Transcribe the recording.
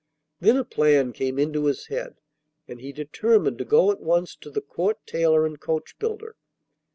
Then a plan came into his head, and he determined to go at once to the Court tailor and coachbuilder.